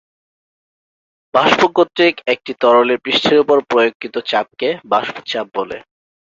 বাষ্প কর্তৃক একটি তরলের পৃষ্ঠের উপরে প্রয়োগকৃত চাপকে বাষ্প চাপ বলে।